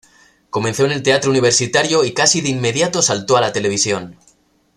Comenzó en el Teatro Universitario y casi de inmediato saltó a la televisión.